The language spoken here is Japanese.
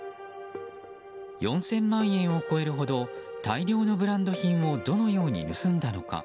４０００万円を超えるほど大量のブランド品をどのように盗んだのか。